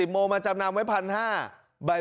โมงมาจำนำไว้๑๕๐๐บาท